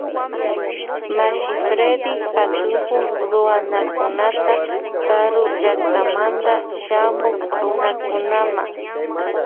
Mashi Fredy katukun Ruanakunata karu llaktamanta shamuk Runakunama.